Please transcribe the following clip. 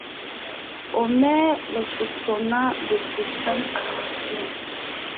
Omer les soupçonna de suprêmes ambitions.